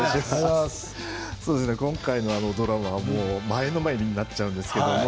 今回のドラマは前のめりになっちゃうんです。